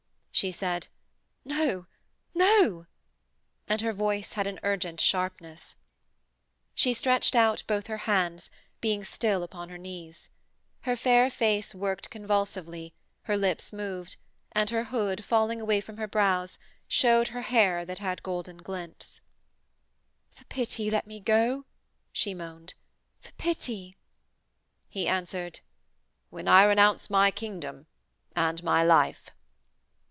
She said: 'No, no!' and her voice had an urgent sharpness. She stretched out both her hands, being still upon her knees. Her fair face worked convulsively, her lips moved, and her hood, falling away from her brows, showed her hair that had golden glints. 'For pity let me go,' she moaned. 'For pity.' He answered: 'When I renounce my kingdom and my life!'